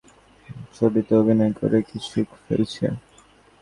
অনেকে হয়তো ভাবছেন, বলিউডের ছবিতে অভিনয় করে অনেক কিছু করে ফেলেছি।